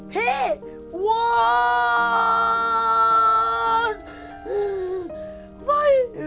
พี่วุด